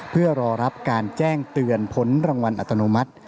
เพื่อรอรับการแจ้งเตือนผลรางวัลอัตโนมัติ